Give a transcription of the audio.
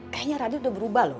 kayaknya radit udah berubah loh